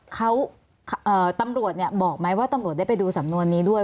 เขาตำรวจเนี่ยบอกไหมว่าตำรวจได้ไปดูสำนวนนี้ด้วย